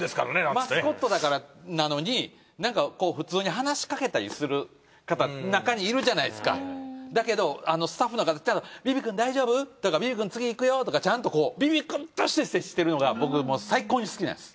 マスコットだからなのに普通に話しかけたりする方なかにいるじゃないですかだけどスタッフの方ヴィヴィくん大丈夫？とかヴィヴィくん次いくよとかちゃんとヴィヴィくんとして接してるのが僕最高に好きなんです。